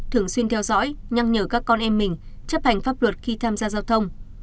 thường xuyên theo dõi nhắc nhở các con em mình chấp hành pháp luật khi tham gia giao thông